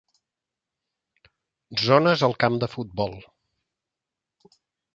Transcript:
Zones al camp de futbol.